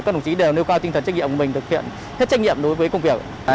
thực hiện hết trách nhiệm đối với công việc